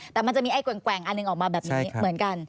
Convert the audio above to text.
แต่มันจะมีไอ้แกว่งอันหนึ่งออกมาแบบนี้เหมือนกัน